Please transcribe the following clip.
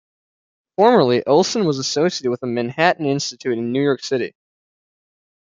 Formerly, Olson was associated with the Manhattan Institute in New York City.